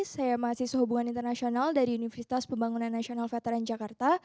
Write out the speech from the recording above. saya mahasiswa hubungan internasional dari universitas pembangunan nasional veteran jakarta